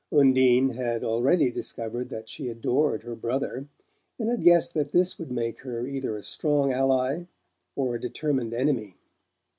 Undine had already discovered that she adored her brother, and had guessed that this would make her either a strong ally or a determined enemy.